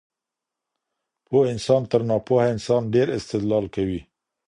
پوه انسان تر ناپوهه انسان ډېر استدلال کوي.